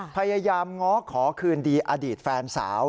พยายามง้อขอคืนดีอดีตแฟนสาว